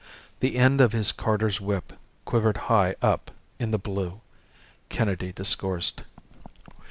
The end of his carter's whip quivered high up in the blue. Kennedy discoursed.